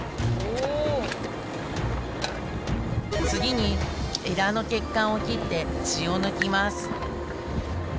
次にエラの血管を切って血を抜きます